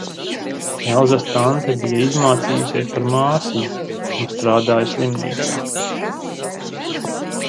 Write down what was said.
Elzas tante bija izmācījusies par māsiņu un strādāja slimnīcā.